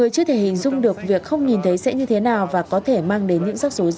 cũng không phải là nữ